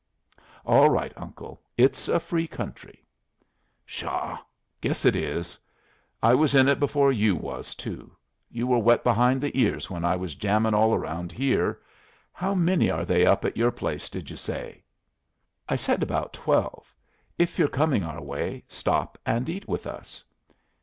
"All right, Uncle. It's a free country." "Shaw! Guess it is. I was in it before you was, too. You were wet behind the ears when I was jammin' all around here. How many are they up at your place, did you say?" "I said about twelve. If you're coming our way, stop and eat with us."